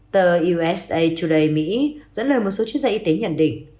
tờ usa today dẫn lời một số chuyên gia y tế nhận định